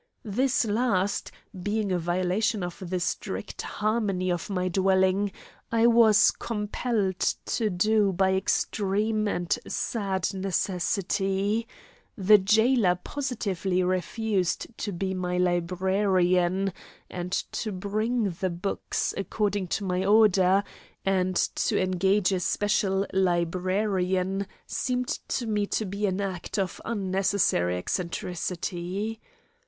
This last, being a violation of the strict harmony of my dwelling, I was compelled to do by extreme and sad necessity; the jailer positively refused to be my librarian and to bring the books according to my order, and to engage a special librarian seemed to me to be an act of unnecessary eccentricity.